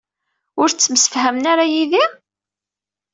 Ur ttemsefhament ara yid-i?